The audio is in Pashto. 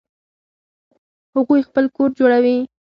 هغوی خپل کور جوړوي